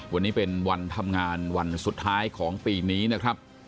วันนี้เป็นวันทำงานวันสุดท้ายของปีนี้นะครับ